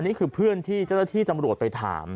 นี่คือเพื่อนที่เจ้าหน้าที่จำรวจไปถาม